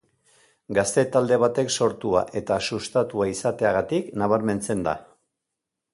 Gazte talde batek sortua eta sustatua izateagatik nabarmentzen da.